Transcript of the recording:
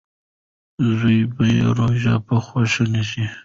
زوی یې روژه په خوښۍ نیسي.